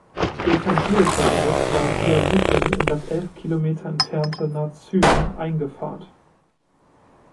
Evangelischerseits war Bialutten in das elf Kilometer entfernte Narzym eingepfarrt.